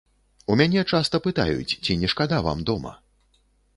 У мяне часта пытаюць, ці не шкада вам дома?